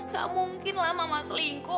gak mungkin lah mama selingkuh